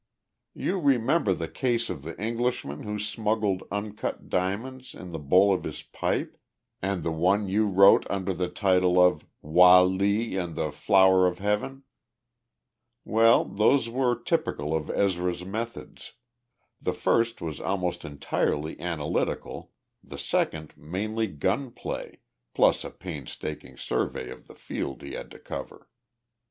You remember the case of the Englishman who smuggled uncut diamonds in the bowl of his pipe and the one you wrote under the title of "Wah Lee and the Flower of Heaven"? Well, those were typical of Ezra's methods the first was almost entirely analytical, the second mainly gun play plus a painstaking survey of the field he had to cover.